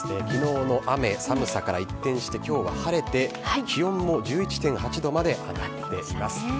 きのうの雨、寒さから一転して、きょうは晴れて、気温も１１．８度まで上がっています。